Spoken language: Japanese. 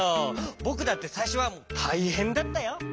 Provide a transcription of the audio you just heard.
ぼくだってさいしょはたいへんだったよ。